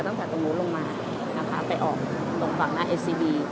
ตรงนู้นลงมานะคะไปออกตรงฝั่งหน้าเอสซีบี